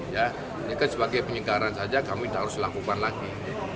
ini kan sebagai penyegaran saja kami tidak harus lakukan lagi